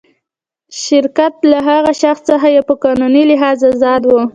شرکت له هغه شخص څخه په قانوني لحاظ آزاد و.